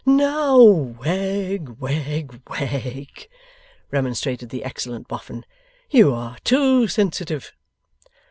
'Now, Wegg, Wegg, Wegg,' remonstrated the excellent Boffin. 'You are too sensitive.